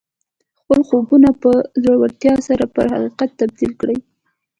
خپل خوبونه په زړورتیا سره پر حقیقت باندې بدل کړئ